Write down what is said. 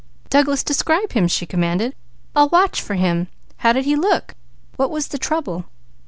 "Douglas, describe him," she commanded. "I'll watch for him. How did he look? What was the trouble?"